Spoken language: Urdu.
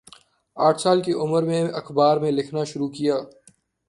آٹھ سال کی عمر میں اخبار میں لکھنا شروع کیا